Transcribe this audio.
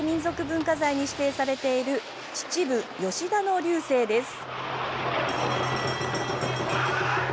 文化財に指定されている秩父吉田の龍勢です。